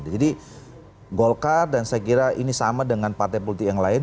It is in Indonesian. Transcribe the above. jadi golkar dan saya kira ini sama dengan partai politik yang lain